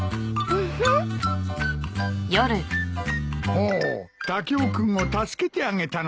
ほうタケオ君を助けてあげたのか。